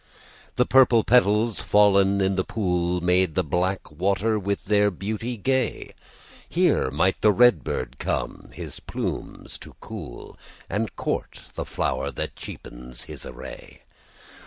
The purple petals, fallen in the pool, Made the black water with their beauty gay; Here might the red bird come his plumes to cool, And court the flower that cheapens his array.